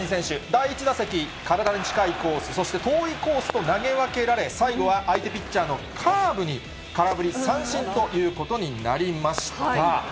第１打席、体に近いコースと遠いコースと投げ分けられ、最後は相手ピッチャーのカーブに空振り三振ということになりました。